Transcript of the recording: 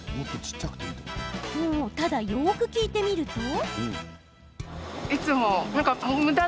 ただ、よく聞いてみると。